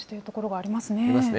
ありますね。